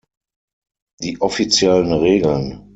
Die offiziellen Regeln.